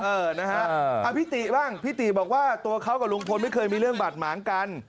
เออนะฮะพี่ติบ้างพี่ติบอกว่าตัวเขากับลุงพลไม่เคยมีเรื่องบาดหมางกัน